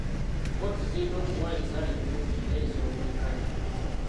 Kkooti zirina okuwa ensala ennungi era ez'obwenkanya.